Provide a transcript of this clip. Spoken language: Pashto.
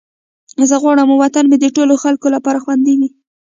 زه غواړم وطن مې د ټولو خلکو لپاره خوندي وي.